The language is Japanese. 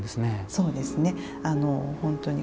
そうですね。